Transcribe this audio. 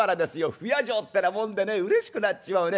不夜城ってなもんでねうれしくなっちまうね。